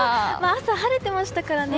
朝、晴れてましたからね。